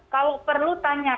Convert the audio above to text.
kalau perlu tanyakan